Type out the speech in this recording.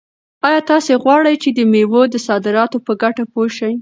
آیا تاسو غواړئ چې د مېوو د صادراتو په ګټه پوه شئ؟